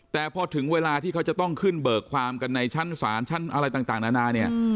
แต่พอถึงเวลาที่เขาจะต้องขึ้นเบิกความกันในชั้นศาลชั้นอะไรต่างนานาเนี่ย